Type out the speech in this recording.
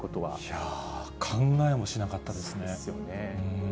いやー、考えもしなかったでそうですよね。